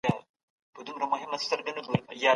زه تخته ګورم.